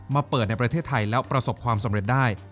มาเปิดในประเทศไทยแล้วประสบความสำเร็จได้